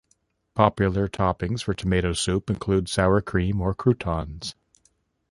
Popular toppings for tomato soup include sour cream or croutons.